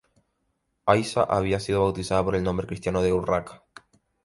Aixa había sido bautizada con el nombre cristiano de Urraca.